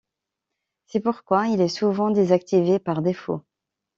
C'est pourquoi il est souvent désactivé par défaut.